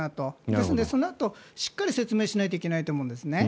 ですのでそのあとしっかり説明しないといけないと思うんです。